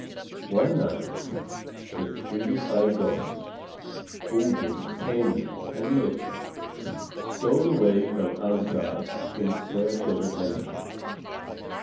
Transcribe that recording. One night the three high gods, Odin, Hœnir, and Loki, stole away from Asgard in search of adventure.